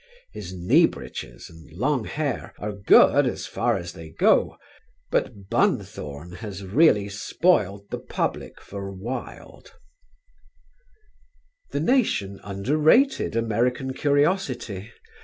His knee breeches and long hair are good as far as they go; but Bunthorne has really spoiled the public for Wilde." The Nation underrated American curiosity.